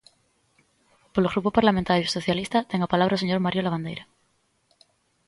Polo Grupo Parlamentario Socialista ten a palabra o señor Mario Lavandeira.